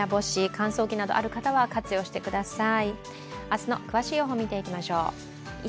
乾燥機などある方は活用してください。